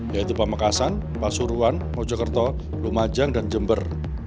yaitu pamekasan pasuruan mojokerto lumajang dan jember